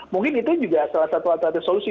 mungkin itu juga salah satu alternatif solusi